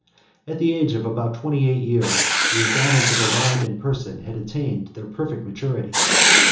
At the age of about twenty eight years, the endowments of her mind and person had attained their perfect maturity.